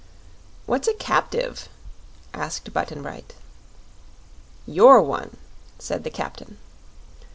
"What's a captive?" asked Button Bright. "You're one," said the captain.